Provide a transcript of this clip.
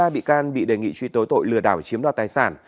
hai mươi ba bị can bị đề nghị truy tố tội lừa đảo chiếm đoạt tài sản